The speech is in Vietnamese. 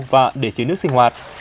và để chứa nước sinh hoạt